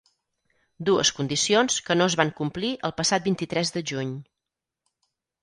Dues condicions que no es van complir el passat vint-i-tres de juny.